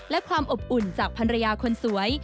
และความอบอุ่นจากภรรยาคนสวย